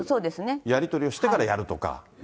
やり取りをしてからやるとか。